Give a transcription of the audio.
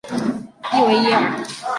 伊维耶尔。